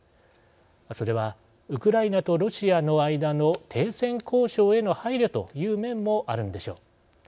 それは、ウクライナとロシアのあいだの停戦交渉への配慮という面もあるのでしょう。